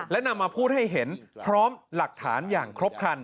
และนำมาพูดให้เห็นพร้อมหลักฐานอย่างครบครัน